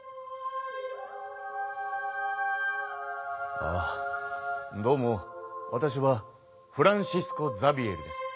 ああどうもわたしはフランシスコ・ザビエルです。